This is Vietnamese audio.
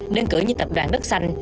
nên cử như tập đoàn đất xanh